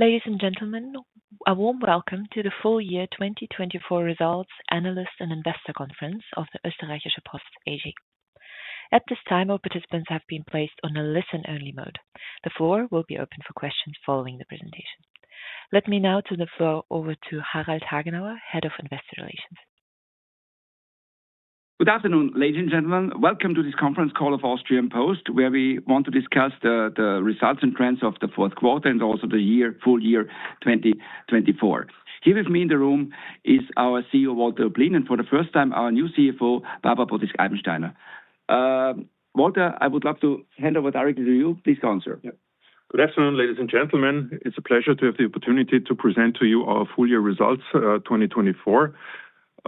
Ladies and gentlemen, a warm welcome to the full year 2024 results analyst and investor conference of the Österreichische Post AG. At this time, all participants have been placed on a listen-only mode. The floor will be open for questions following the presentation. Let me now turn the floor over to Harald Hagenauer, Head of Investor Relations. Good afternoon, ladies and gentlemen. Welcome to this conference call of Österreichische Post, where we want to discuss the results and trends of the fourth quarter and also the full year 2024. Here with me in the room is our CEO, Walter Oblin, and for the first time, our new CFO, Barbara Potisk-Eibensteiner. Walter, I would love to hand over directly to you. Please answer. Good afternoon, ladies and gentlemen. It's a pleasure to have the opportunity to present to you our full year results 2024.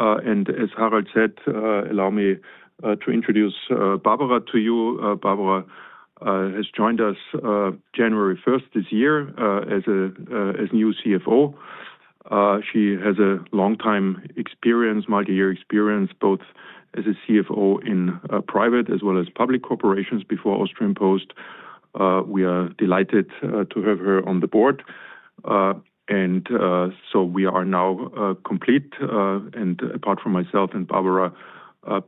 As Harald said, allow me to introduce Barbara to you. Barbara has joined us January 1st this year as a new CFO. She has a long-time experience, multi-year experience, both as a CFO in private as well as public corporations before Österreichische Post. We are delighted to have her on the board. We are now complete. Apart from myself and Barbara,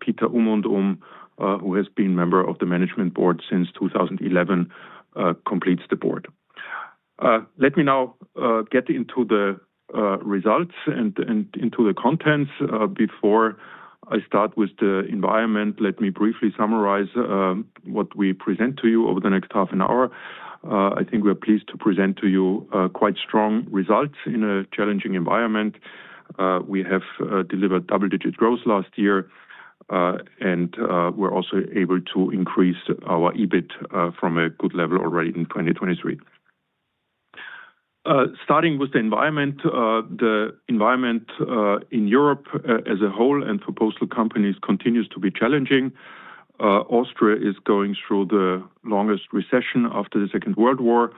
Peter Ummundum, who has been a member of the management board since 2011, completes the board. Let me now get into the results and into the contents. Before I start with the environment, let me briefly summarize what we present to you over the next half an hour. I think we are pleased to present to you quite strong results in a challenging environment. We have delivered double-digit growth last year, and we're also able to increase our EBIT from a good level already in 2023. Starting with the environment, the environment in Europe as a whole and for postal companies continues to be challenging. Austria is going through the longest recession after the Second World War.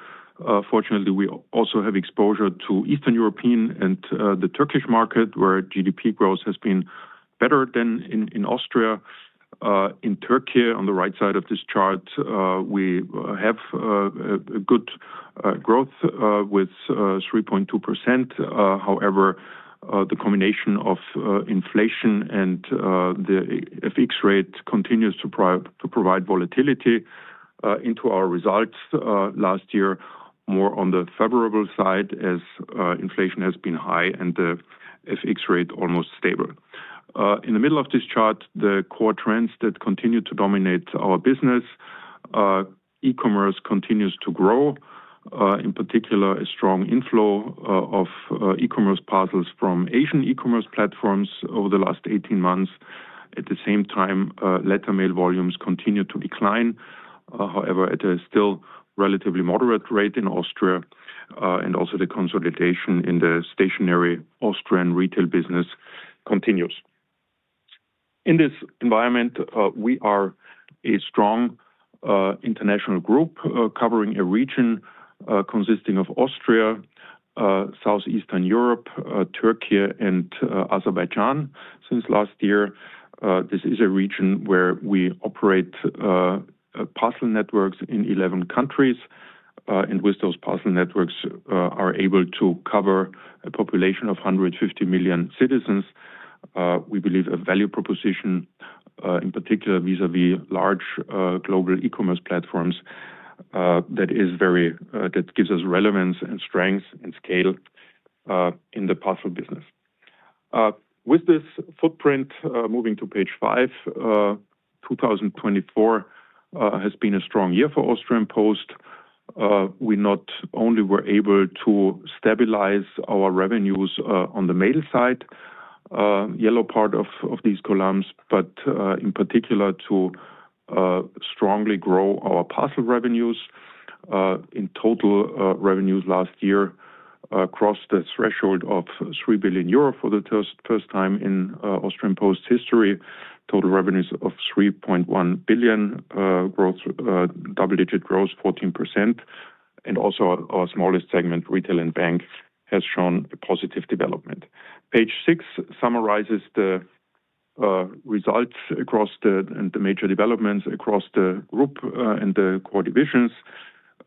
Fortunately, we also have exposure to Eastern European and the Turkish market, where GDP growth has been better than in Austria. In Turkey, on the right side of this chart, we have a good growth with 3.2%. However, the combination of inflation and the FX rate continues to provide volatility into our results last year, more on the favorable side as inflation has been high and the FX rate almost stable. In the middle of this chart, the core trends that continue to dominate our business, e-commerce continues to grow, in particular a strong inflow of e-commerce parcels from Asian e-commerce platforms over the last 18 months. At the same time, letter mail volumes continue to decline. However, at a still relatively moderate rate in Austria, and also the consolidation in the stationary Austrian retail business continues. In this environment, we are a strong international group covering a region consisting of Austria, Southeastern Europe, Türkiye, and Azerbaijan since last year. This is a region where we operate parcel networks in 11 countries. With those parcel networks, we are able to cover a population of 150 million citizens. We believe a value proposition, in particular vis-à-vis large global e-commerce platforms, that is very that gives us relevance and strength and scale in the parcel business. With this footprint, moving to page five, 2024 has been a strong year for Österreichische Post. We not only were able to stabilize our revenues on the mail side, yellow part of these columns, but in particular to strongly grow our parcel revenues. In total, revenues last year crossed the threshold of 3 billion euro for the first time in Österreichische Post history. Total revenues of 3.1 billion, double-digit growth, 14%. Also our smallest segment, Retail and Bank, has shown a positive development. Page six summarizes the results across the major developments across the group and the core divisions.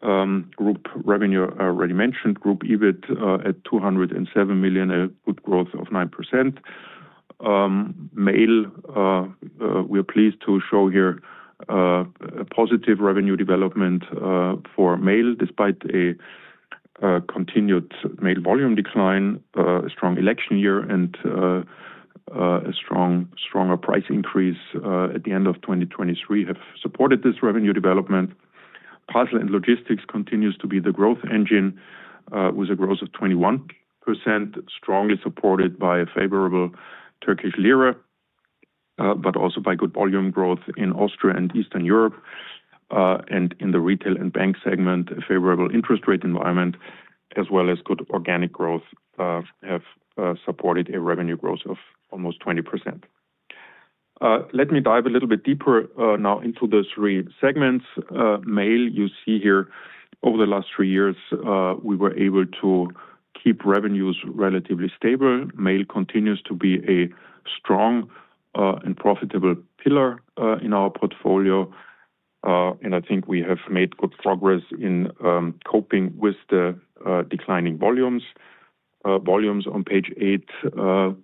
Group revenue, already mentioned, group EBIT at 207 million, a good growth of 9%. Mail, we are pleased to show here a positive revenue development for mail, despite a continued mail volume decline. A strong election year and a stronger price increase at the end of 2023 have supported this revenue development. Parcel and Logistics continues to be the growth engine with a growth of 21%, strongly supported by a favorable Turkish lira, but also by good volume growth in Austria and Eastern Europe. In the Retail and Bank segment, a favorable interest rate environment, as well as good organic growth, have supported a revenue growth of almost 20%. Let me dive a little bit deeper now into the three segments. Mail, you see here, over the last three years, we were able to keep revenues relatively stable. Mail continues to be a strong and profitable pillar in our portfolio. I think we have made good progress in coping with the declining volumes. Volumes on page eight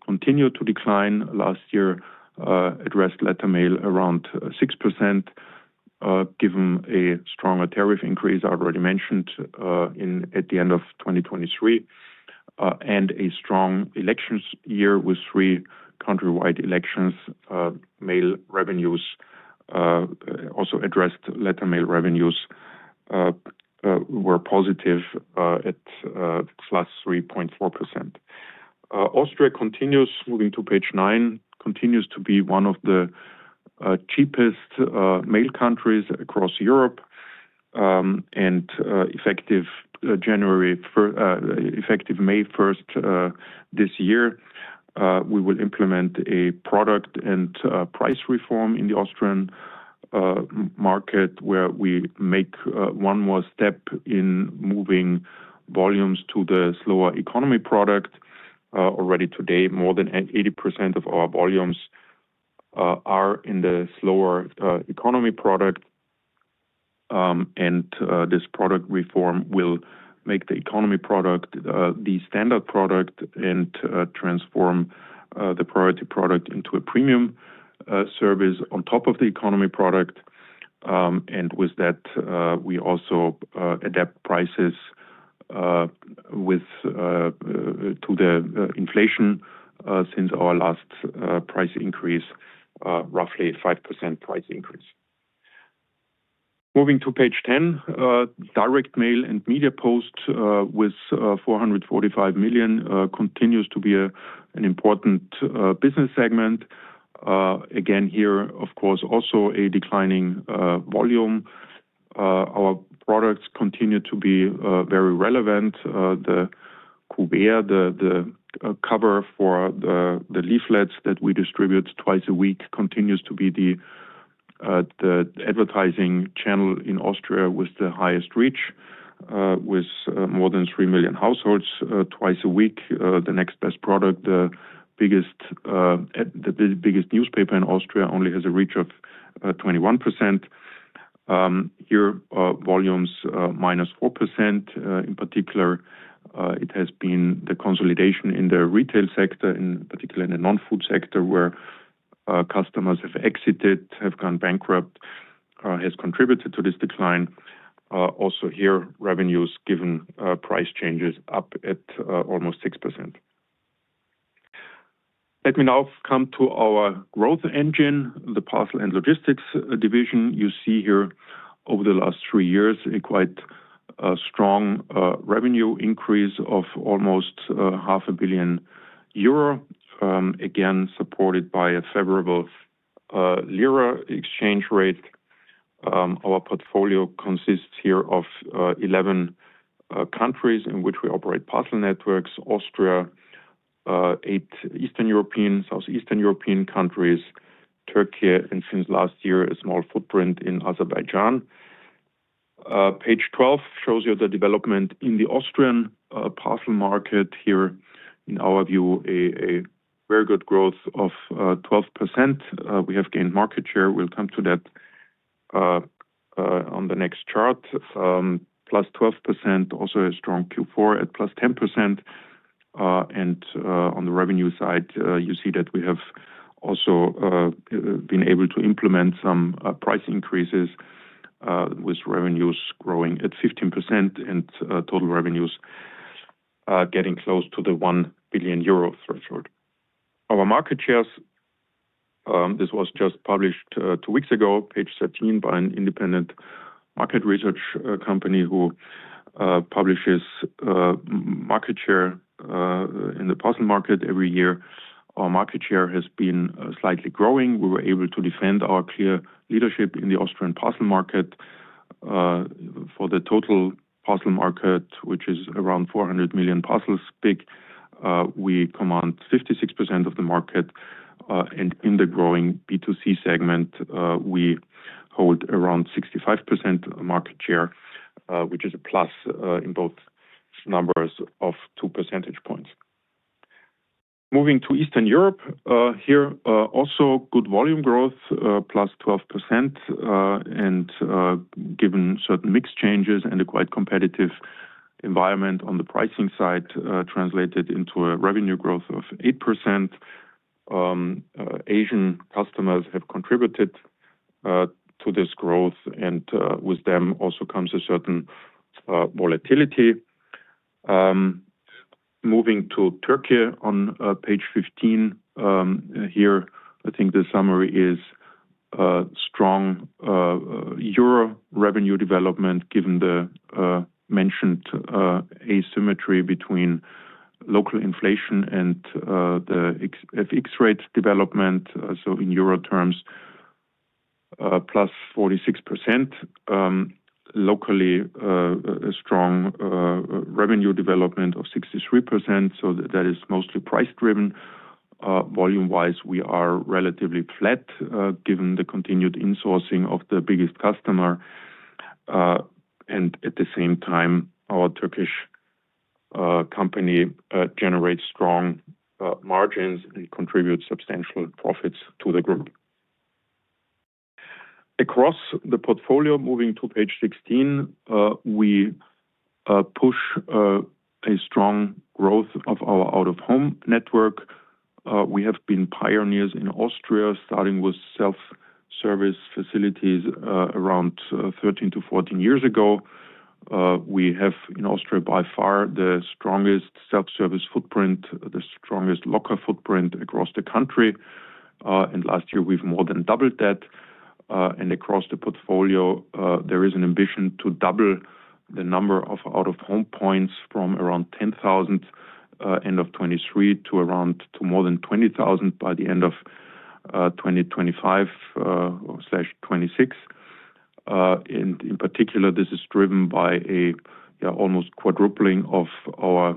continue to decline. Last year, addressed letter mail around 6%, given a stronger tariff increase I already mentioned at the end of 2023, and a strong elections year with three countrywide elections. Mail revenues, also addressed letter mail revenues, were positive at +3.4%. Austria continues, moving to page nine, to be one of the cheapest mail countries across Europe. Effective May 1 this year, we will implement a product and price reform in the Austrian market, where we make one more step in moving volumes to the slower economy product. Already today, more than 80% of our volumes are in the slower economy product. This product reform will make the economy product the standard product and transform the priority product into a premium service on top of the economy product. With that, we also adapt prices to the inflation since our last price increase, roughly a 5% price increase. Moving to page 10, direct mail and media post with 445 million continues to be an important business segment. Again, here, of course, also a declining volume. Our products continue to be very relevant. The Kuvert, the cover for the leaflets that we distribute twice a week, continues to be the advertising channel in Austria with the highest reach, with more than 3 million households twice a week. The next best product, the biggest newspaper in Austria, only has a reach of 21%. Here, volumes minus 4%. In particular, it has been the consolidation in the retail sector, in particular in the non-food sector, where customers have exited, have gone bankrupt, has contributed to this decline. Also here, revenues given price changes up at almost 6%. Let me now come to our growth engine, the parcel and logistics division. You see here, over the last three years, a quite strong revenue increase of almost 500,000,000 euro, again supported by a favorable lira exchange rate. Our portfolio consists here of 11 countries in which we operate parcel networks: Austria, eight Eastern European, southeastern European countries, Türkiye, and since last year, a small footprint in Azerbaijan. Page 12 shows you the development in the Austrian parcel market. Here, in our view, a very good growth of 12%. We have gained market share. We'll come to that on the next chart. Plus 12%, also a strong Q4 at plus 10%. On the revenue side, you see that we have also been able to implement some price increases, with revenues growing at 15% and total revenues getting close to the 1 billion euro threshold. Our market shares, this was just published two weeks ago, page 13, by an independent market research company who publishes market share in the parcel market every year. Our market share has been slightly growing. We were able to defend our clear leadership in the Austrian parcel market. For the total parcel market, which is around 400 million parcels big, we command 56% of the market. In the growing B2C segment, we hold around 65% market share, which is a plus in both numbers of two percentage points. Moving to Eastern Europe, here also good volume growth, plus 12%. Given certain mix changes and a quite competitive environment on the pricing side, this translated into a revenue growth of 8%. Asian customers have contributed to this growth, and with them also comes a certain volatility. Moving to Türkiye on page 15 here, I think the summary is strong EUR revenue development, given the mentioned asymmetry between local inflation and the FX rate development. In EUR terms, plus 46%. Locally, a strong revenue development of 63%. That is mostly price driven. Volume-wise, we are relatively flat, given the continued insourcing of the biggest customer. At the same time, our Turkish company generates strong margins and contributes substantial profits to the group. Across the portfolio, moving to page 16, we push a strong growth of our out-of-home network. We have been pioneers in Austria, starting with self-service facilities around 13-14 years ago. We have in Austria by far the strongest self-service footprint, the strongest locker footprint across the country. Last year, we more than doubled that. Across the portfolio, there is an ambition to double the number of out-of-home points from around 10,000 at the end of 2023 to more than 20,000 by the end of 2025/2026. In particular, this is driven by an almost quadrupling of our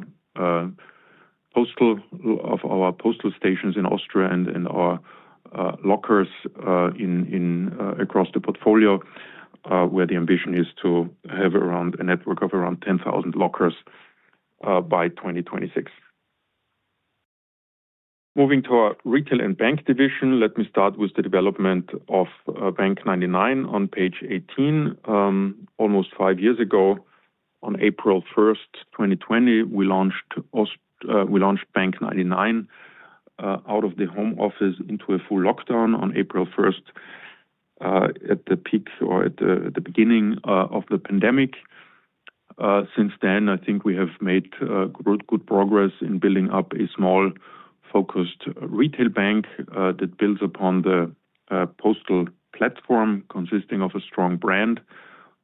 postal stations in Austria and our lockers across the portfolio, where the ambition is to have a network of around 10,000 lockers by 2026. Moving to our retail and bank division, let me start with the development of Bank 99 on page 18. Almost five years ago, on April 1, 2020, we launched Bank 99 out of the home office into a full lockdown on April 1 at the peak or at the beginning of the pandemic. Since then, I think we have made good progress in building up a small focused retail bank that builds upon the postal platform consisting of a strong brand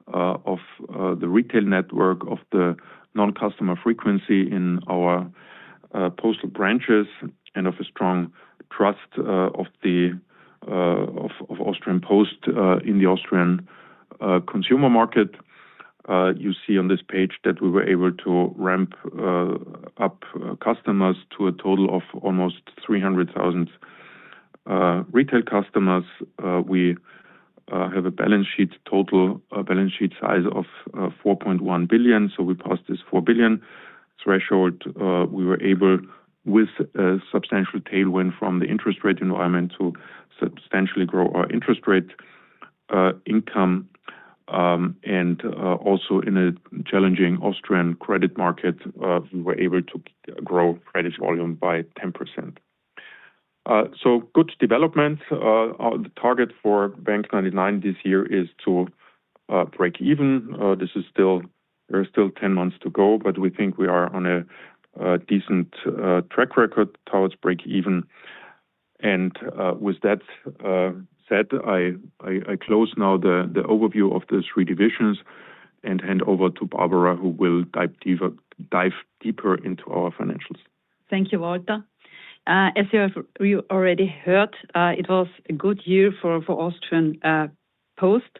of the retail network, of the non-customer frequency in our postal branches, and of a strong trust of Austrian Post in the Austrian consumer market. You see on this page that we were able to ramp up customers to a total of almost 300,000 retail customers. We have a balance sheet total balance sheet size of 4.1 billion. We passed this 4 billion threshold. We were able, with a substantial tailwind from the interest rate environment, to substantially grow our interest rate income. Also in a challenging Austrian credit market, we were able to grow credit volume by 10%. Good development. The target for Bank 99 this year is to break even. There are still 10 months to go, but we think we are on a decent track record towards break even. With that said, I close now the overview of the three divisions and hand over to Barbara, who will dive deeper into our financials. Thank you, Walter. As you have already heard, it was a good year for Österreichische Post,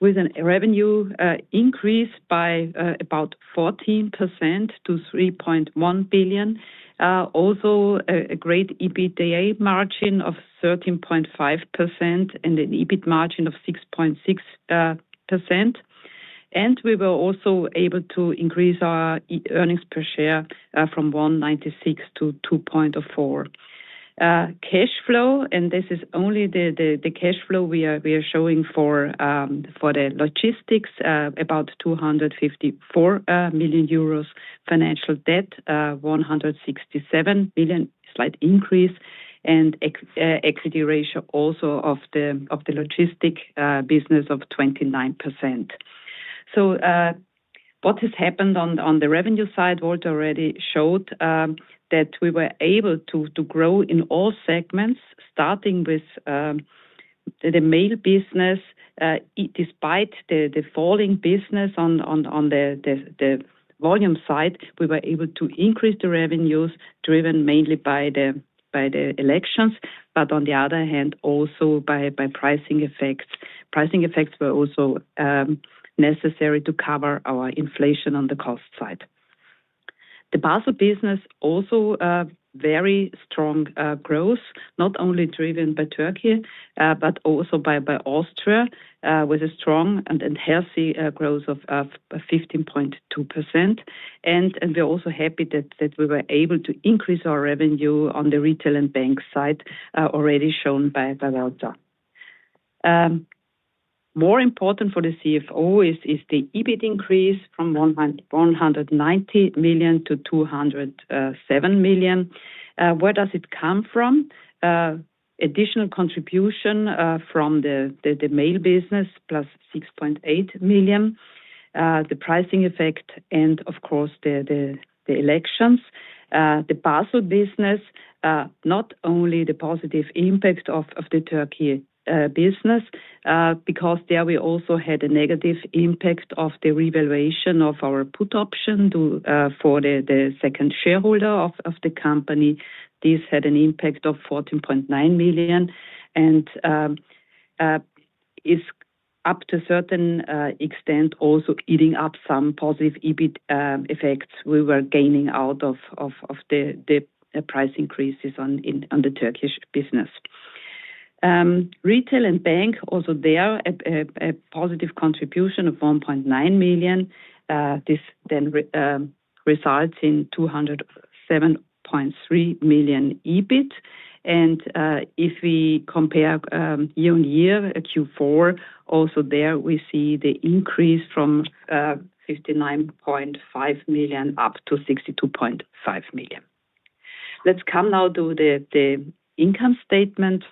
with a revenue increase by about 14% to 3.1 billion. Also, a great EBITDA margin of 13.5% and an EBIT margin of 6.6%. We were also able to increase our earnings per share from 1.96 to 2.4. Cash flow, and this is only the cash flow we are showing for the logistics, about 254 million euros. Financial debt, 167 million, slight increase, and equity ratio also of the logistics business of 29%. What has happened on the revenue side, Walter already showed that we were able to grow in all segments, starting with the mail business. Despite the falling business on the volume side, we were able to increase the revenues driven mainly by the elections, but on the other hand, also by pricing effects. Pricing effects were also necessary to cover our inflation on the cost side. The parcel business also very strong growth, not only driven by Türkiye, but also by Austria, with a strong and healthy growth of 15.2%. We are also happy that we were able to increase our revenue on the retail and bank side, already shown by Walter. More important for the CFO is the EBIT increase from 190 million to 207 million. Where does it come from? Additional contribution from the mail business, plus 6.8 million. The pricing effect, and of course, the elections. The parcel business, not only the positive impact of the Türkiye business, because there we also had a negative impact of the revaluation of our put option for the second shareholder of the company. This had an impact of 14.9 million and is up to a certain extent also eating up some positive EBIT effects we were gaining out of the price increases on the Turkish business. Retail and bank, also there a positive contribution of 1.9 million. This then results in 207.3 million EBIT. If we compare year on year, Q4, also there we see the increase from 59.5 million up to 62.5 million. Let's come now to the income statement.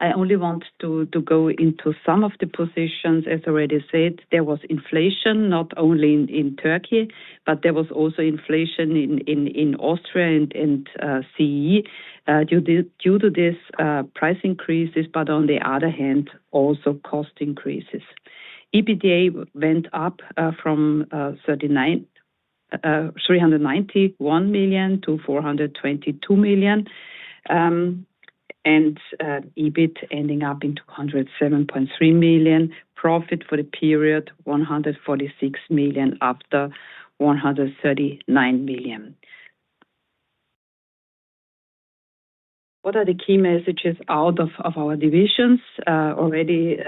I only want to go into some of the positions. As already said, there was inflation, not only in Türkiye, but there was also inflation in Austria and CE due to these price increases, but on the other hand, also cost increases. EBITDA went up from 391 million to 422 million. EBIT ending up in 207.3 million. Profit for the period, 146 million after 139 million. What are the key messages out of our divisions? Already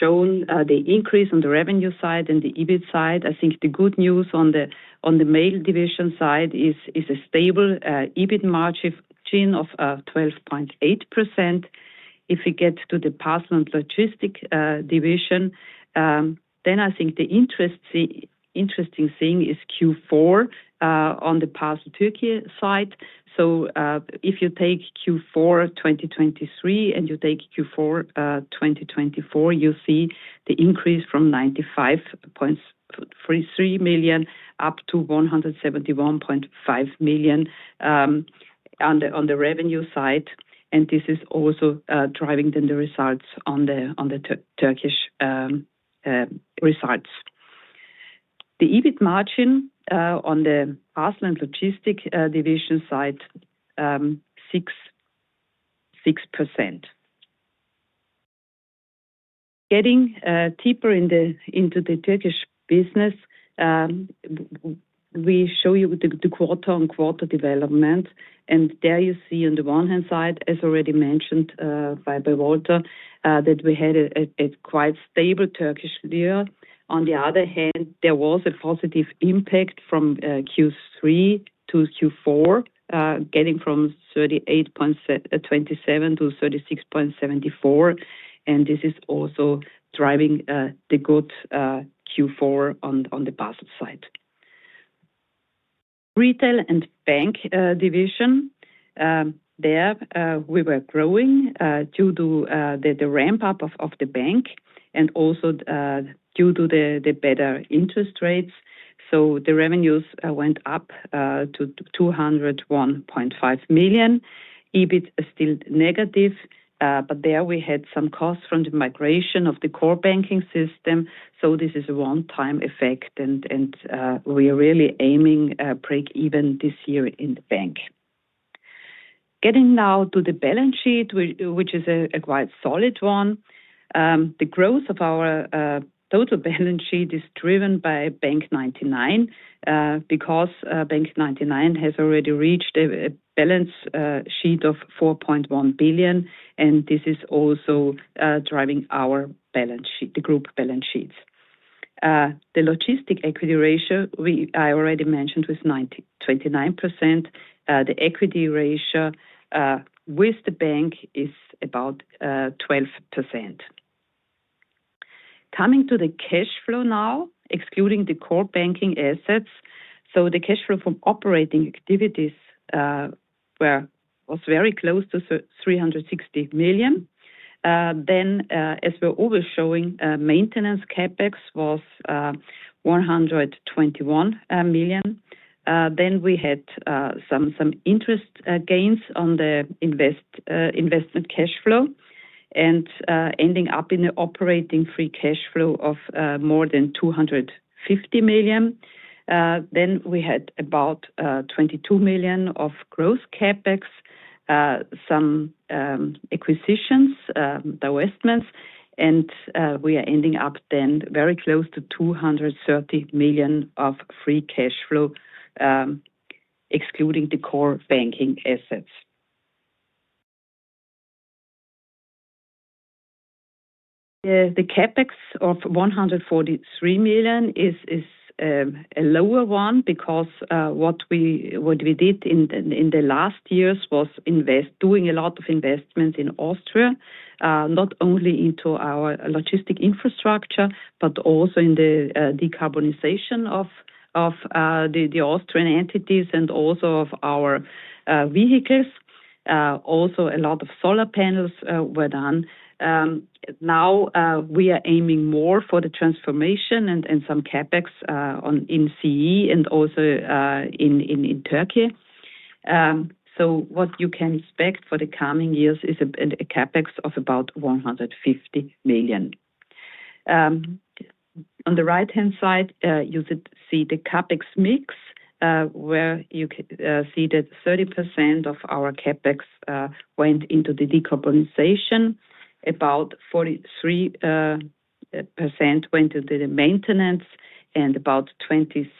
shown the increase on the revenue side and the EBIT side. I think the good news on the mail division side is a stable EBIT margin of 12.8%. If we get to the parcel and logistics division, then I think the interesting thing is Q4 on the parcel Türkiye side. If you take Q4 2023 and you take Q4 2024, you see the increase from 95.33 million up to 171.5 million on the revenue side. This is also driving then the results on the Turkish results. The EBIT margin on the parcel and logistics division side, 6%. Getting deeper into the Turkish business, we show you the quarter-on-quarter development. There you see on the one hand side, as already mentioned by Walter, that we had a quite stable Turkish lira. On the other hand, there was a positive impact from Q3 to Q4, getting from 38.27 to 36.74. This is also driving the good Q4 on the parcel side. Retail and bank division, there we were growing due to the ramp-up of the bank and also due to the better interest rates. The revenues went up to 201.5 million. EBIT is still negative, but there we had some costs from the migration of the core banking system. This is a one-time effect, and we are really aiming to break even this year in the bank. Getting now to the balance sheet, which is a quite solid one. The growth of our total balance sheet is driven by Bank 99 because Bank 99 has already reached a balance sheet of 4.1 billion. This is also driving our balance sheet, the group balance sheets. The logistic equity ratio, I already mentioned, was 29%. The equity ratio with the bank is about 12%. Coming to the cash flow now, excluding the core banking assets. The cash flow from operating activities was very close to 360 million. As we are always showing, maintenance CapEx was 121 million. We had some interest gains on the investment cash flow and ending up in an operating free cash flow of more than 250 million. We had about 22 million of gross CapEx, some acquisitions, divestments. We are ending up then very close to 230 million of free cash flow, excluding the core banking assets. The CapEx of 143 million is a lower one because what we did in the last years was doing a lot of investments in Austria, not only into our logistic infrastructure, but also in the decarbonization of the Austrian entities and also of our vehicles. Also, a lot of solar panels were done. Now we are aiming more for the transformation and some CapEx in Central Europe and also in Türkiye. What you can expect for the coming years is a CapEx of about 150 million. On the right-hand side, you see the CapEx mix, where you see that 30% of our CapEx went into the decarbonization, about 43% went into the maintenance, and about 27%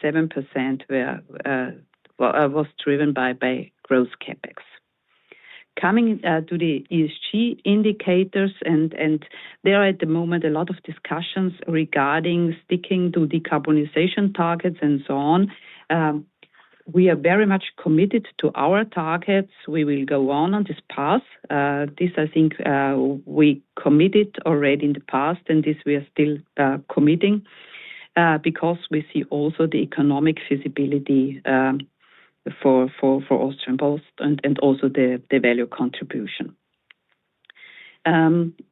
was driven by gross CapEx. Coming to the ESG indicators, and there are at the moment a lot of discussions regarding sticking to decarbonization targets and so on. We are very much committed to our targets. We will go on on this path. This, I think, we committed already in the past, and this we are still committing because we see also the economic feasibility for Österreichische Post and also the value contribution.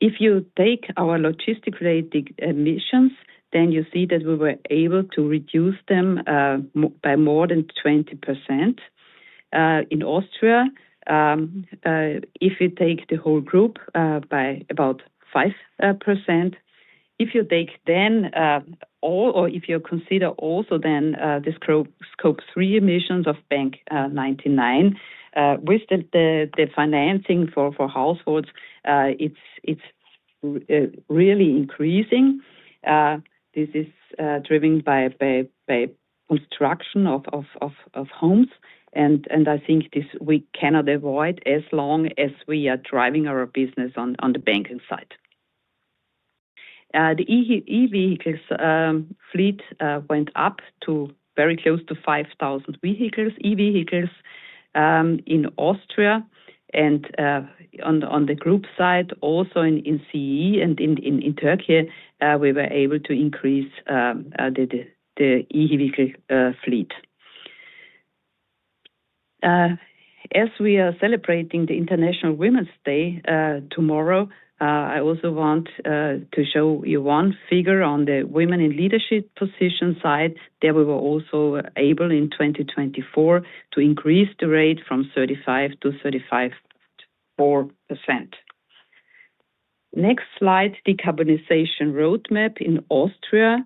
If you take our logistic rate emissions, then you see that we were able to reduce them by more than 20% in Austria. If you take the whole group by about 5%, if you take then all, or if you consider also then the scope three emissions of Bank 99, with the financing for households, it's really increasing. This is driven by construction of homes. I think this we cannot avoid as long as we are driving our business on the banking side. The e-vehicles fleet went up to very close to 5,000 e-vehicles in Austria. On the group side, also in CE and in Türkiye, we were able to increase the e-vehicle fleet. As we are celebrating the International Women's Day tomorrow, I also want to show you one figure on the women in leadership position side. There we were also able in 2024 to increase the rate from 35% to 35.4%. Next slide, decarbonization roadmap in Austria.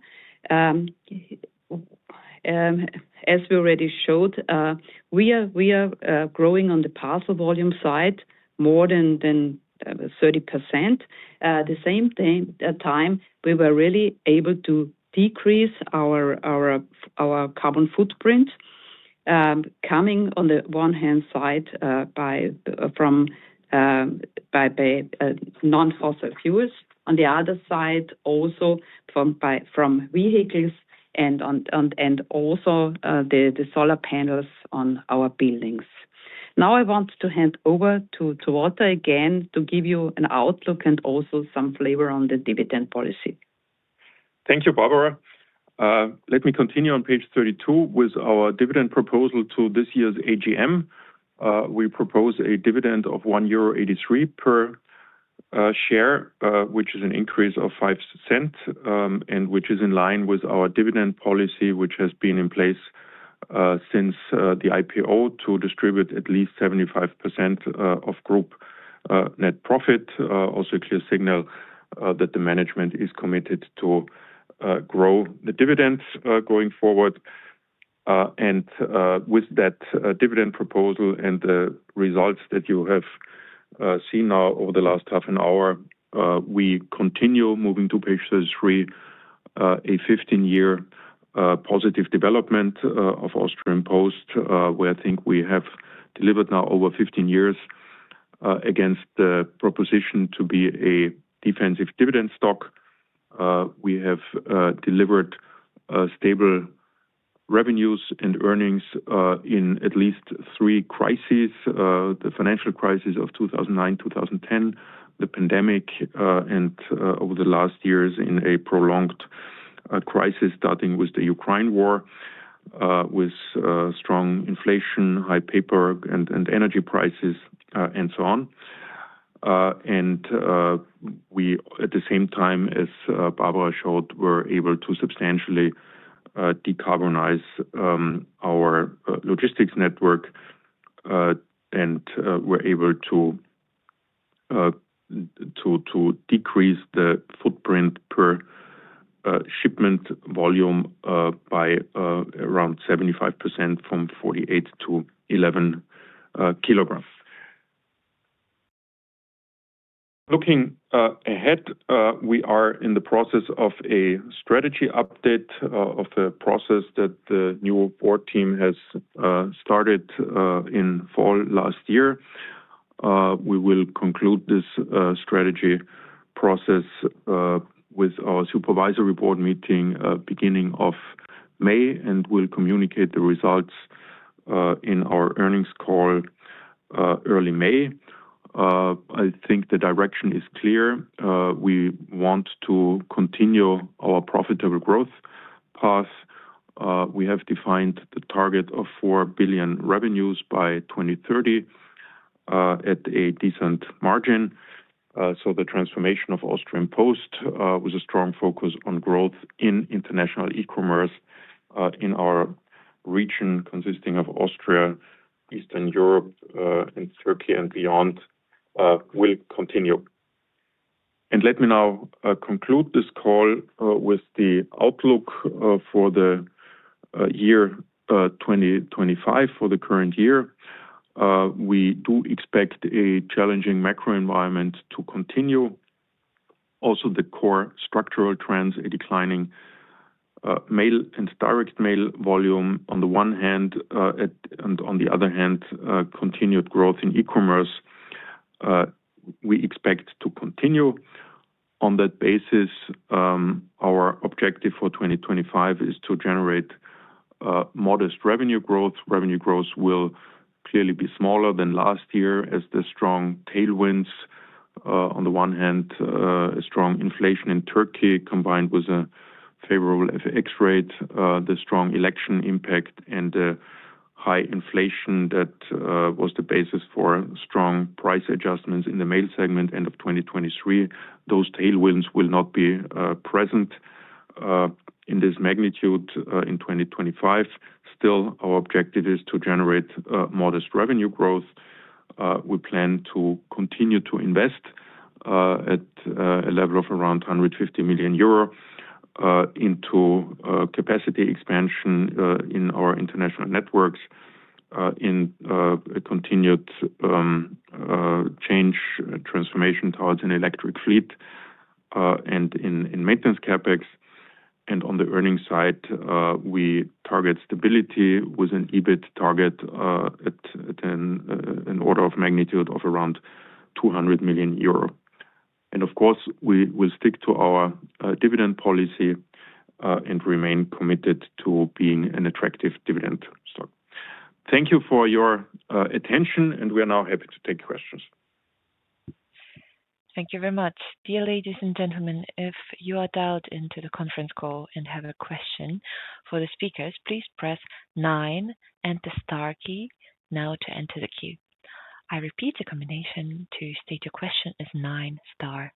As we already showed, we are growing on the parcel volume side more than 30%. At the same time, we were really able to decrease our carbon footprint, coming on the one hand side from non-fossil fuels, on the other side also from vehicles, and also the solar panels on our buildings. Now I want to hand over to Walter again to give you an outlook and also some flavor on the dividend policy. Thank you, Barbara. Let me continue on page 32 with our dividend proposal to this year's AGM. We propose a dividend of 1.83 euro per share, which is an increase of 5% and which is in line with our dividend policy, which has been in place since the IPO to distribute at least 75% of group net profit. Also a clear signal that the management is committed to grow the dividends going forward. With that dividend proposal and the results that you have seen now over the last half an hour, we continue moving to page 33, a 15-year positive development of Austrian Post, where I think we have delivered now over 15 years against the proposition to be a defensive dividend stock. We have delivered stable revenues and earnings in at least three crises: the financial crisis of 2009, 2010, the pandemic, and over the last years in a prolonged crisis starting with the Ukraine war, with strong inflation, high paper and energy prices, and so on. We, at the same time as Barbara showed, were able to substantially decarbonize our logistics network and were able to decrease the footprint per shipment volume by around 75% from 48 to 11 kilograms. Looking ahead, we are in the process of a strategy update of the process that the new board team has started in fall last year. We will conclude this strategy process with our supervisory board meeting beginning of May and will communicate the results in our earnings call early May. I think the direction is clear. We want to continue our profitable growth path. We have defined the target of 4 billion revenues by 2030 at a decent margin. The transformation of Österreichische Post, with a strong focus on growth in international e-commerce in our region consisting of Austria, Eastern Europe, and Türkiye and beyond, will continue. Let me now conclude this call with the outlook for the year 2025 for the current year. We do expect a challenging macro environment to continue. Also, the core structural trends, a declining direct mail volume on the one hand and on the other hand, continued growth in e-commerce, we expect to continue. On that basis, our objective for 2025 is to generate modest revenue growth. Revenue growth will clearly be smaller than last year as the strong tailwinds, on the one hand, strong inflation in Türkiye combined with a favorable FX rate, the strong election impact, and the high inflation that was the basis for strong price adjustments in the mail segment end of 2023. Those tailwinds will not be present in this magnitude in 2025. Still, our objective is to generate modest revenue growth. We plan to continue to invest at a level of around 150 million euro into capacity expansion in our international networks, in continued change, transformation towards an electric fleet, and in maintenance CapEx. On the earnings side, we target stability with an EBIT target at an order of magnitude of around 200 million euro. Of course, we will stick to our dividend policy and remain committed to being an attractive dividend stock. Thank you for your attention, and we are now happy to take questions. Thank you very much. Dear ladies and gentlemen, if you are dialed into the conference call and have a question for the speakers, please press nine and the star key now to enter the queue. I repeat the combination to state your question as nine star.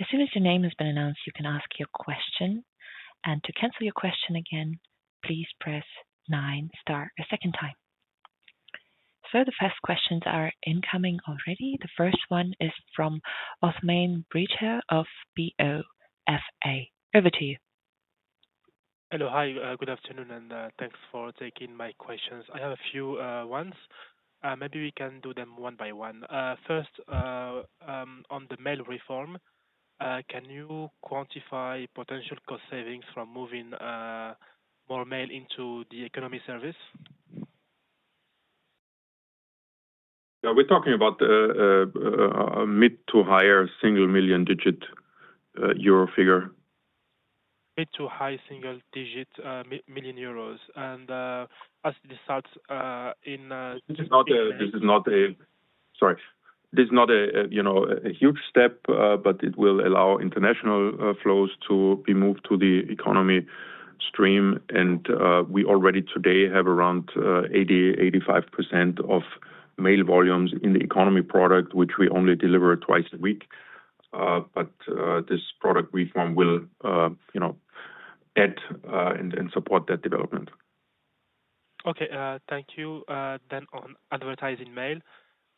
As soon as your name has been announced, you can ask your question. To cancel your question again, please press 9 star a second time. The first questions are incoming already. The first one is from Osman Memisoglu of BofA. Over to you. Hello, hi, good afternoon, and thanks for taking my questions. I have a few ones. Maybe we can do them one by one. First, on the mail reform, can you quantify potential cost savings from moving more mail into the economy service? We're talking about a mid to higher single digit million euro figure. Mid to high single digit million euros. As it starts in. This is not a, sorry, this is not a huge step, but it will allow international flows to be moved to the economy stream. We already today have around 80-85% of mail volumes in the economy product, which we only deliver twice a week. This product reform will add and support that development. Okay, thank you. Then on advertising mail,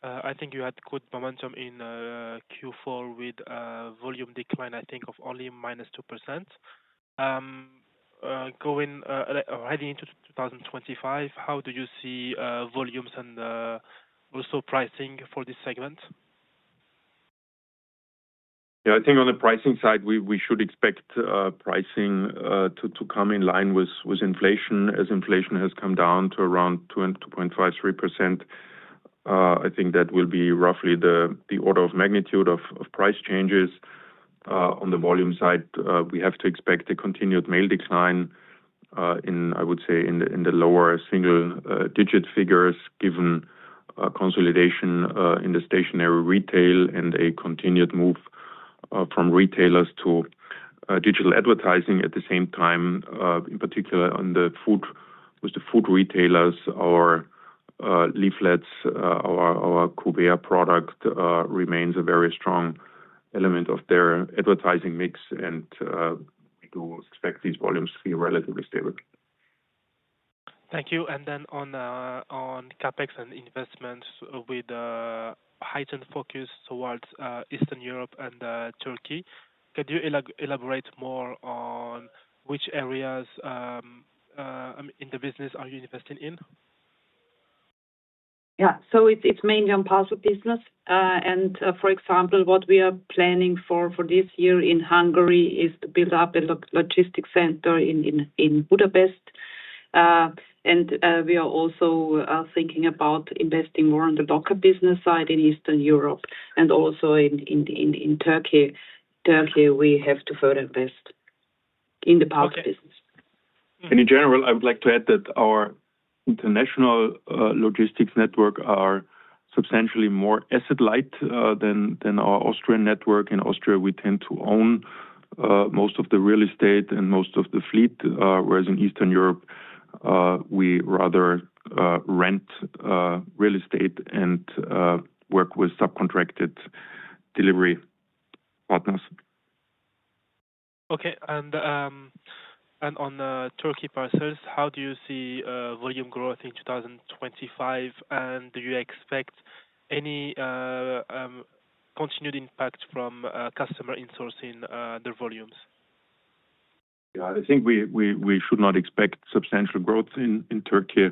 I think you had good momentum in Q4 with a volume decline, I think, of only -2%. Going already into 2025, how do you see volumes and also pricing for this segment? Yeah, I think on the pricing side, we should expect pricing to come in line with inflation. As inflation has come down to around 2.53%, I think that will be roughly the order of magnitude of price changes. On the volume side, we have to expect a continued mail decline in, I would say, in the lower single digit figures given consolidation in the stationary retail and a continued move from retailers to digital advertising at the same time. In particular, with the food retailers, our leaflets, our Kuvert product remains a very strong element of their advertising mix, and we do expect these volumes to be relatively stable. Thank you. On CapEx and investments with heightened focus towards Eastern Europe and Türkiye, could you elaborate more on which areas in the business are you investing in? Yeah, so it's mainly on parts of business. For example, what we are planning for this year in Hungary is to build up a logistics center in Budapest. We are also thinking about investing more on the locker business side in Eastern Europe and also in Türkiye. Türkiye, we have to further invest in the parts of business. In general, I would like to add that our international logistics network is substantially more asset-light than our Austrian network. In Austria, we tend to own most of the real estate and most of the fleet, whereas in Eastern Europe, we rather rent real estate and work with subcontracted delivery partners. Okay, and on the Türkiye parcels, how do you see volume growth in 2025? Do you expect any continued impact from customer insourcing their volumes? Yeah, I think we should not expect substantial growth in Türkiye.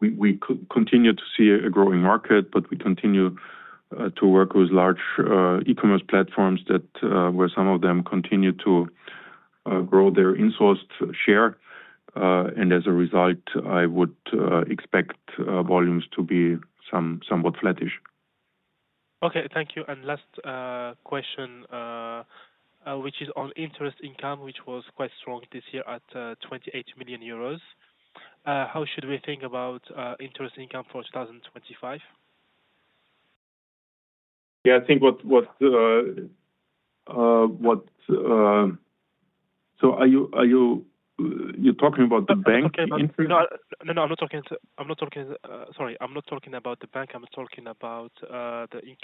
We continue to see a growing market, but we continue to work with large e-commerce platforms where some of them continue to grow their insourced share. As a result, I would expect volumes to be somewhat flattish. Okay, thank you. Last question, which is on interest income, which was quite strong this year at 28 million euros. How should we think about interest income for 2025? Yeah, I think what, so are you talking about the bank interest? No, no, no, I'm not talking, sorry, I'm not talking about the bank. I'm talking about the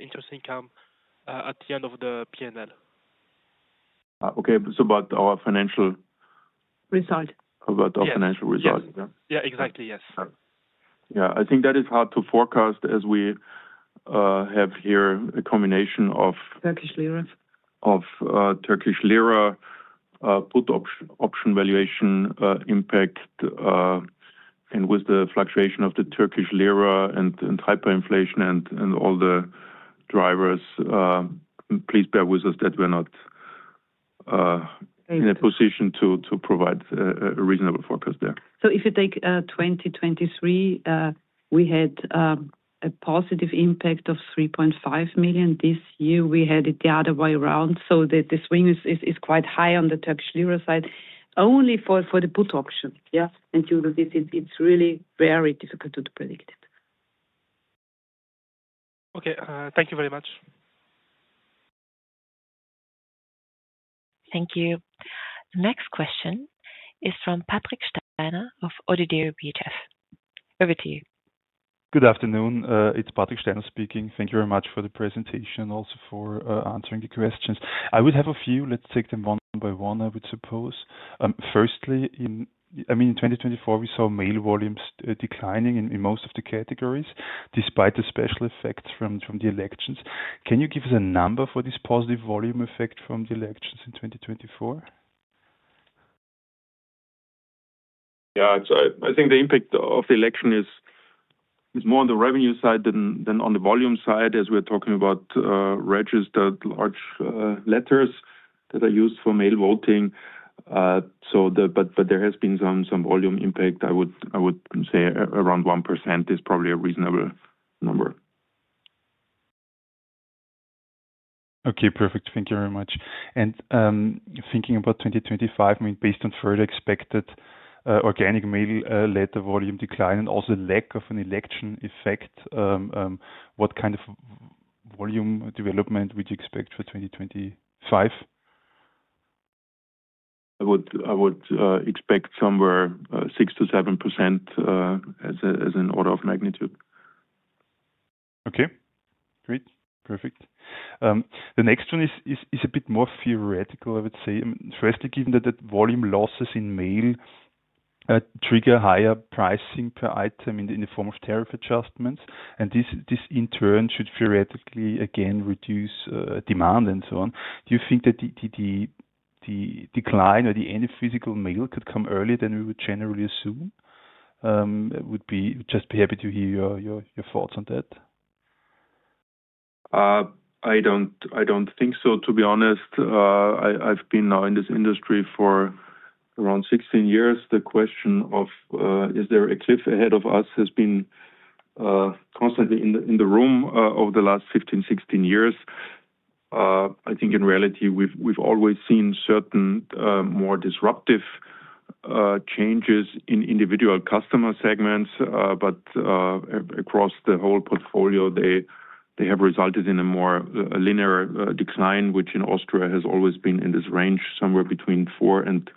interest income at the end of the P&L. Okay, so about our financial result. About our financial result. Yeah, exactly, yes. Yeah, I think that is hard to forecast as we have here a combination of Turkish lira, of Turkish lira, put option valuation impact, and with the fluctuation of the Turkish lira and hyperinflation and all the drivers, please bear with us that we're not in a position to provide a reasonable forecast there. If you take 2023, we had a positive impact of 3.5 million this year. We had it the other way around. The swing is quite high on the Turkish lira side, only for the put option. Yeah, and it's really very difficult to predict it. Okay, thank you very much. Thank you. The next question is from Patrick Steiner of Oddo BHF. Over to you. Good afternoon. It's Patrick Steiner speaking. Thank you very much for the presentation, also for answering the questions. I would have a few. Let's take them one by one, I would suppose. Firstly, I mean, in 2024, we saw mail volumes declining in most of the categories despite the special effects from the elections. Can you give us a number for this positive volume effect from the elections in 2024? Yeah, I think the impact of the election is more on the revenue side than on the volume side, as we're talking about registered large letters that are used for mail voting. There has been some volume impact. I would say around 1% is probably a reasonable number. Okay, perfect. Thank you very much. Thinking about 2025, based on further expected organic mail letter volume decline and also the lack of an election effect, what kind of volume development would you expect for 2025? I would expect somewhere 6-7% as an order of magnitude. Okay, great. Perfect. The next one is a bit more theoretical, I would say. Firstly, given that volume losses in mail trigger higher pricing per item in the form of tariff adjustments, and this in turn should theoretically again reduce demand and so on, do you think that the decline or the end of physical mail could come earlier than we would generally assume? I would just be happy to hear your thoughts on that. I do not think so, to be honest. I have been now in this industry for around 16 years. The question of is there a cliff ahead of us has been constantly in the room over the last 15, 16 years. I think in reality, we've always seen certain more disruptive changes in individual customer segments, but across the whole portfolio, they have resulted in a more linear decline, which in Austria has always been in this range, somewhere between 4%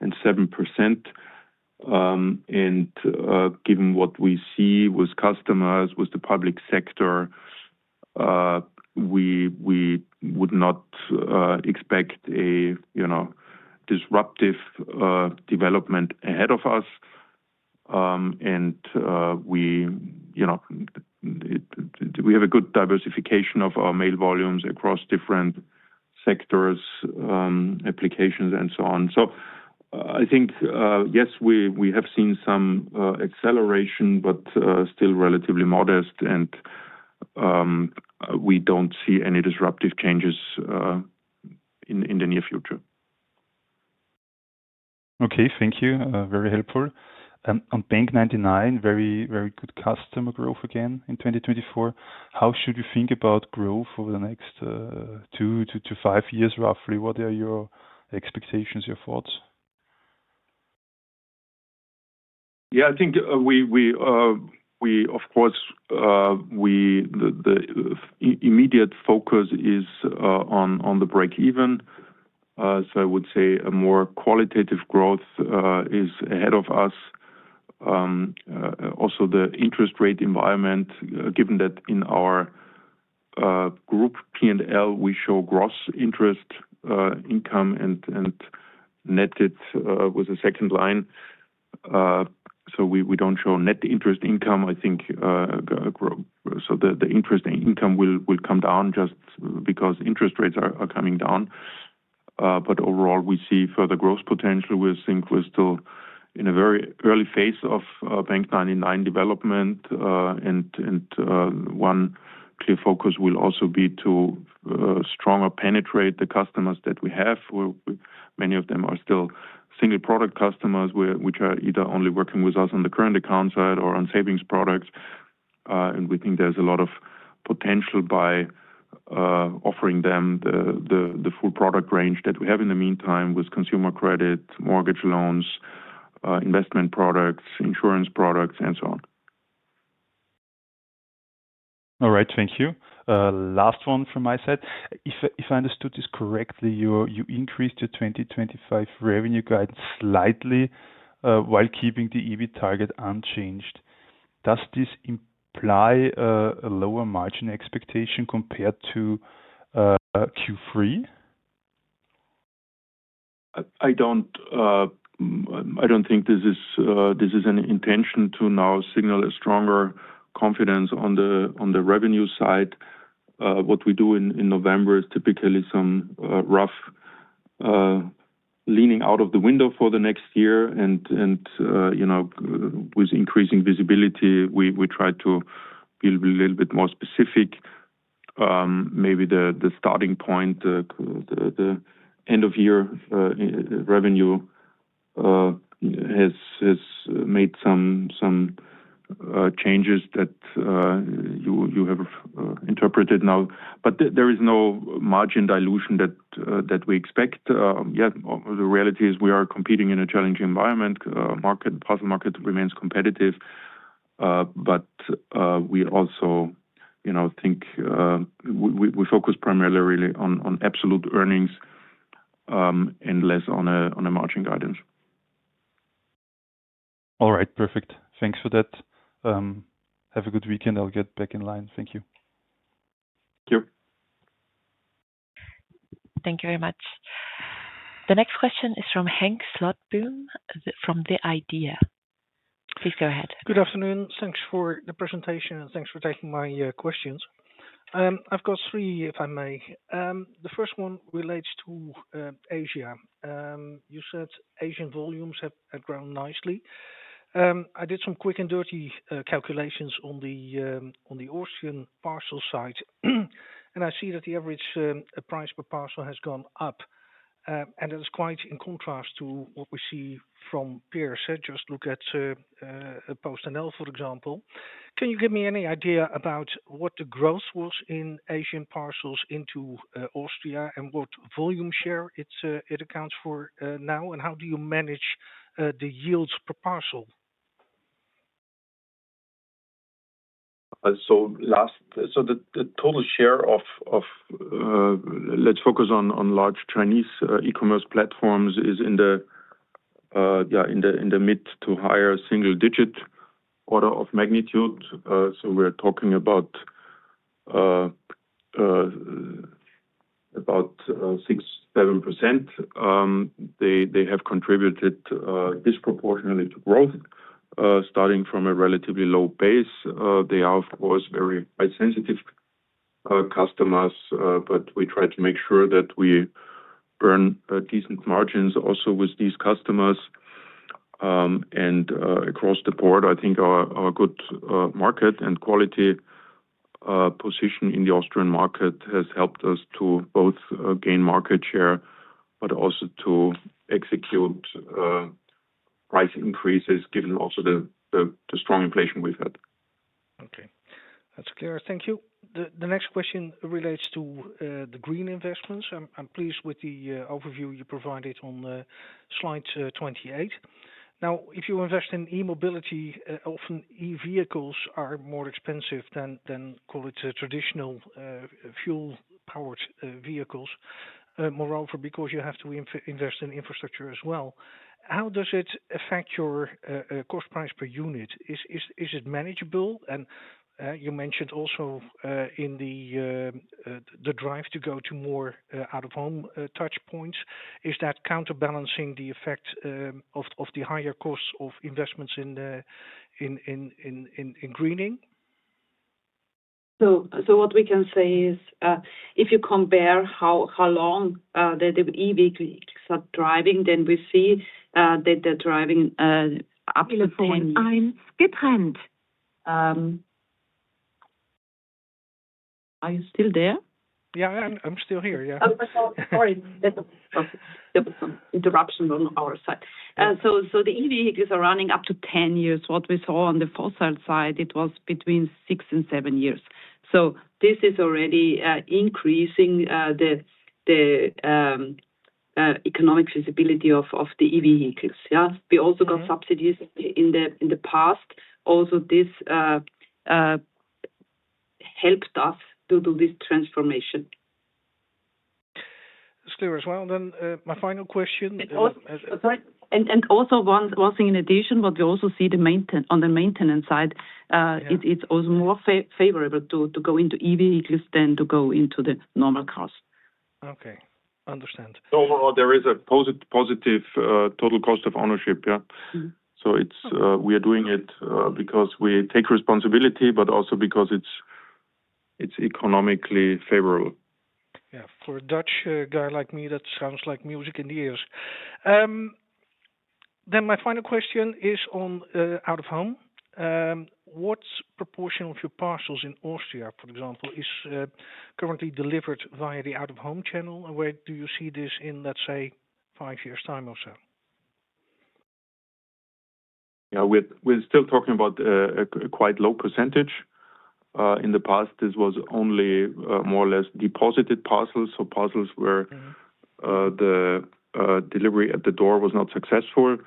and 7%. Given what we see with customers, with the public sector, we would not expect a disruptive development ahead of us. We have a good diversification of our mail volumes across different sectors, applications, and so on. I think, yes, we have seen some acceleration, but still relatively modest, and we don't see any disruptive changes in the near future. Okay, thank you. Very helpful. On Bank 99, very good customer growth again in 2024. How should we think about growth over the next two to five years, roughly? What are your expectations, your thoughts? Yeah, I think, of course, the immediate focus is on the break-even. I would say a more qualitative growth is ahead of us. Also, the interest rate environment, given that in our group P&L, we show gross interest income and netted with a second line. We do not show net interest income, I think. The interest income will come down just because interest rates are coming down. Overall, we see further growth potential. We think we are still in a very early phase of Bank 99 development. One clear focus will also be to stronger penetrate the customers that we have. Many of them are still single product customers, which are either only working with us on the current account side or on savings products. We think there's a lot of potential by offering them the full product range that we have in the meantime with consumer credit, mortgage loans, investment products, insurance products, and so on. All right Thank you. Last one from my side. If I understood this correctly, you increased your 2025 revenue guidance slightly while keeping the EBIT target unchanged. Does this imply a lower margin expectation compared to Q3? I don't think this is an intention to now signal a stronger confidence on the revenue side. What we do in November is typically some rough leaning out of the window for the next year. With increasing visibility, we try to be a little bit more specific. Maybe the starting point, the end-of-year revenue has made some changes that you have interpreted now. There is no margin dilution that we expect. Yeah, the reality is we are competing in a challenging environment. Market, the parcel market remains competitive. We also think we focus primarily on absolute earnings and less on a margin guidance. All right, perfect. Thanks for that. Have a good weekend. I'll get back in line. Thank you. Thank you. Thank you very much. The next question is from Henk Slotboom from the IDEA. Please go ahead. Good afternoon. Thanks for the presentation and thanks for taking my questions. I've got three, if I may. The first one relates to Asia. You said Asian volumes have grown nicely. I did some quick and dirty calculations on the Austrian parcel side, and I see that the average price per parcel has gone up. That is quite in contrast to what we see from peers. Just look at PostNL, for example. Can you give me any idea about what the growth was in Asian parcels into Austria and what volume share it accounts for now? How do you manage the yields per parcel? The total share of, let's focus on large Chinese e-commerce platforms, is in the mid to higher single-digit order of magnitude. We're talking about 6-7%. They have contributed disproportionately to growth, starting from a relatively low base. They are, of course, very high-sensitive customers, but we try to make sure that we earn decent margins also with these customers. Across the board, I think our good market and quality position in the Austrian market has helped us to both gain market share, but also to execute price increases, given also the strong inflation we've had. Okay, that's clear. Thank you. The next question relates to the green investments. I'm pleased with the overview you provided on slide 28. Now, if you invest in e-mobility, often e-vehicles are more expensive than traditional fuel-powered vehicles, moreover because you have to invest in infrastructure as well. How does it affect your cost price per unit? Is it manageable? You mentioned also in the drive to go to more out-of-home touchpoints, is that counterbalancing the effect of the higher costs of investments in greening? What we can say is, if you compare how long the EVs are driving, then we see that they're driving up. Are you still there? Yeah, I'm still here. Yeah. Sorry. There was some interruption on our side. The EVs are running up to 10 years. What we saw on the fossil side, it was between 6 and 7 years. This is already increasing the economic feasibility of the EV vehicles. We also got subsidies in the past. Also, this helped us to do this transformation. That is clear as well. My final question. Also, one thing in addition, what we also see on the maintenance side, it is also more favorable to go into EVs than to go into the normal cars. Okay, understand. Overall, there is a positive total cost of ownership. Yeah. We are doing it because we take responsibility, but also because it is economically favorable. Yeah, for a Dutch guy like me, that sounds like music in the ears. My final question is on out-of-home. What proportion of your parcels in Austria, for example, is currently delivered via the out-of-home channel? Where do you see this in, let's say, five years' time or so? Yeah, we are still talking about a quite low percentage. In the past, this was only more or less deposited parcels. Parcels where the delivery at the door was not successful.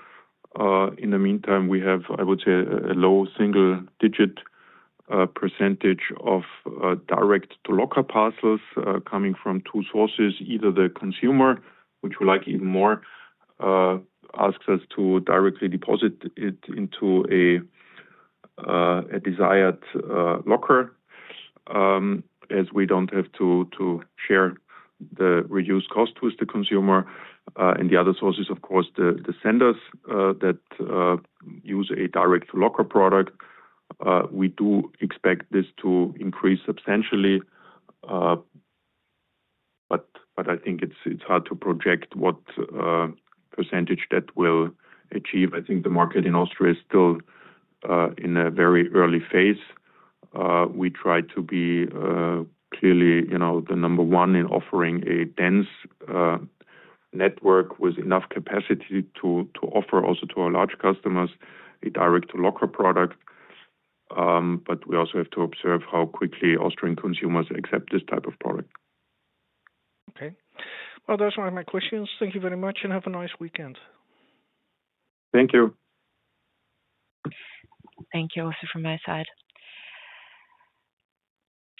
In the meantime, we have, I would say, a low single-digit % of direct-to-locker parcels coming from two sources. Either the consumer, which we like even more, asks us to directly deposit it into a desired locker, as we do not have to share the reduced cost with the consumer. The other source is, of course, the senders that use a direct-to-locker product. We do expect this to increase substantially, but I think it is hard to project what % that will achieve. I think the market in Austria is still in a very early phase. We try to be clearly the number one in offering a dense network with enough capacity to offer also to our large customers a direct-to-locker product. We also have to observe how quickly Austrian consumers accept this type of product. Okay. That's all my questions. Thank you very much and have a nice weekend. Thank you. Thank you also from my side.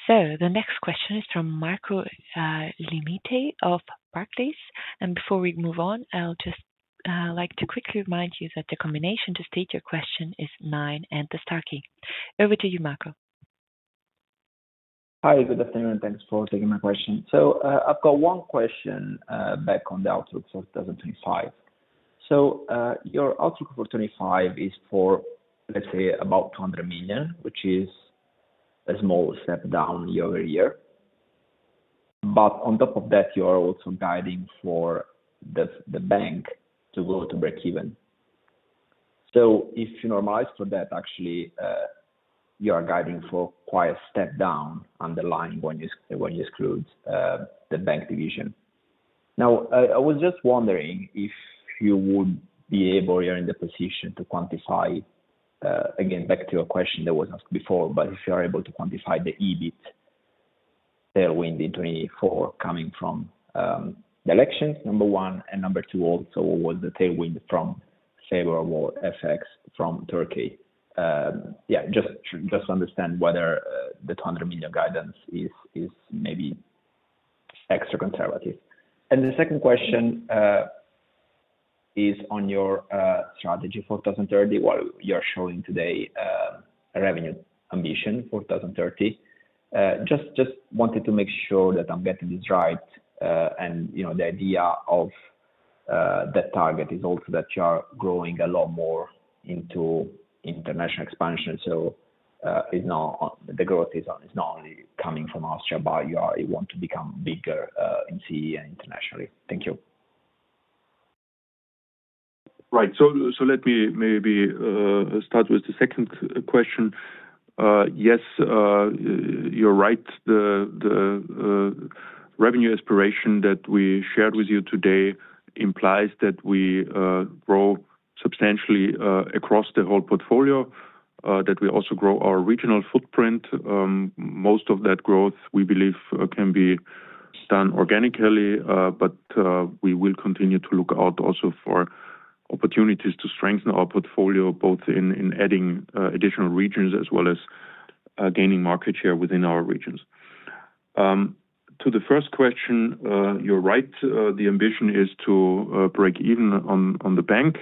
The next question is from Marco Limite of Barclays. Before we move on, I would just like to quickly remind you that the combination to state your question is nine and the star key. Over to you, Marco. Hi, good afternoon. Thanks for taking my question. I've got one question back on the outlook for 2025. Your outlook for 2025 is for, let's say, about 200 million, which is a small step down year over year. On top of that, you are also guiding for the bank to go to break-even. If you normalize for that, actually, you are guiding for quite a step down underlying when you exclude the bank division. Now, I was just wondering if you would be able or you're in the position to quantify, again, back to your question that was asked before, but if you are able to quantify the EBIT tailwind in 2024 coming from the elections, number one, and number two, also what was the tailwind from favorable effects from Turkey. Yeah, just to understand whether the 200 million guidance is maybe extra conservative. The second question is on your strategy for 2030, while you're showing today a revenue ambition for 2030. Just wanted to make sure that I'm getting this right. The idea of that target is also that you are growing a lot more into international expansion. The growth is not only coming from Austria, but you want to become bigger in CE and internationally. Thank you. Right. Let me maybe start with the second question. Yes, you're right. The revenue aspiration that we shared with you today implies that we grow substantially across the whole portfolio, that we also grow our regional footprint. Most of that growth, we believe, can be done organically, but we will continue to look out also for opportunities to strengthen our portfolio, both in adding additional regions as well as gaining market share within our regions. To the first question, you're right. The ambition is to break even on the bank.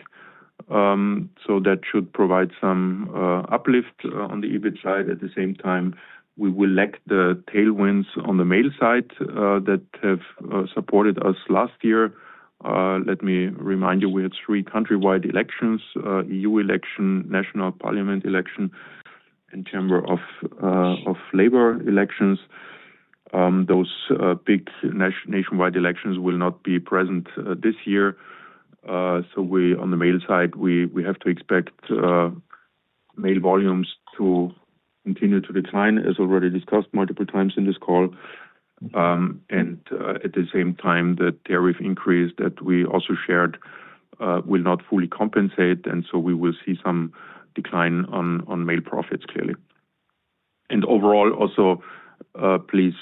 So that should provide some uplift on the EBIT side. At the same time, we will lack the tailwinds on the mail side that have supported us last year. Let me remind you, we had three countrywide elections: EU election, National Parliament election, and Chamber of Labor elections. Those big nationwide elections will not be present this year. On the mail side, we have to expect mail volumes to continue to decline, as already discussed multiple times in this call. At the same time, the tariff increase that we also shared will not fully compensate. We will see some decline on mail profits, clearly. Overall, also, please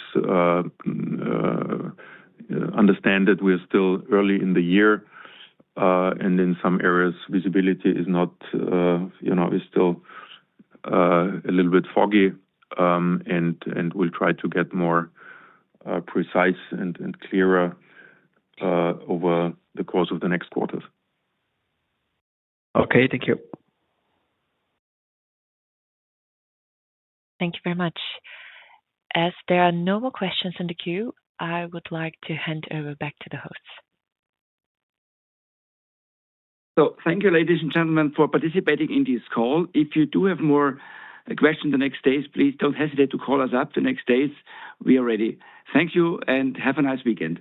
understand that we're still early in the year. In some areas, visibility is still a little bit foggy. We'll try to get more precise and clearer over the course of the next quarters. Thank you. Thank you very much. As there are no more questions in the queue, I would like to hand over back to the hosts. Thank you, ladies and gentlemen, for participating in this call. If you do have more questions in the next days, please don't hesitate to call us up. The next days, we are ready. Thank you and have a nice weekend.